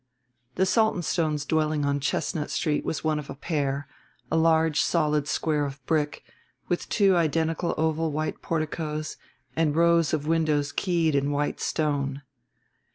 The Saltonstones' dwelling on Chestnut Street was one of a pair a large solid square of brick with two identical oval white porticoes and rows of windows keyed in white stone.